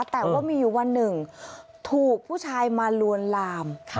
แต่ว่ามีอยู่วันหนึ่งถูกผู้ชายมาลวนลาม